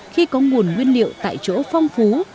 khi có nguồn nguyên liệu tại chỗ phong phú